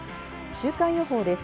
週間予報です。